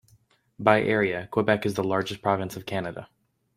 By area, Quebec is the largest province of Canada.